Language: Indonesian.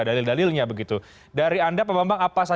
dalam pemeriksaan pendahuluan